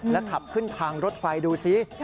แล้วขับขึ้นทางรถไฟดูซิ